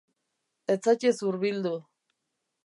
Ez zaitez hurbildu.